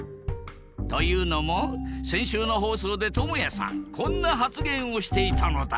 というのも先週の放送で倫也さんこんな発言をしていたのだ